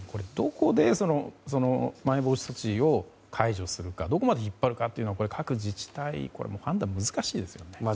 どこで、まん延防止措置を解除するのかどこまで引っ張るのかというのは各自治体は判断、難しいですね。